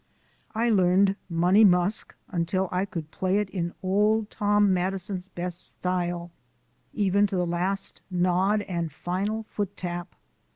I learned "Money Musk" until I could play it in Old Tom Madison's best style even to the last nod and final foot tap.